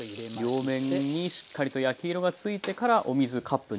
両面にしっかりと焼き色がついてからお水カップ1/2。